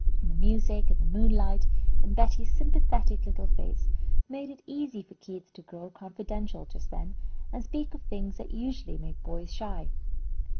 And the music, and the moonlight, and Betty's sympathetic little face, made it easy for Keith to grow confidential just then, and speak of things that usually make boys shy.